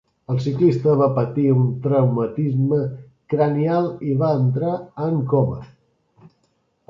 El ciclista va patir un traumatisme cranial i va entrar en coma.